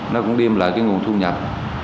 nó cũng đem lại nguồn thu nhập